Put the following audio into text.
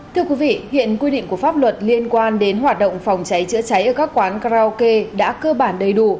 thưa quý vị hiện quy định của pháp luật liên quan đến hoạt động phòng cháy chữa cháy ở các quán karaoke đã cơ bản đầy đủ